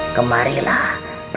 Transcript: aku akan mencari penyelamat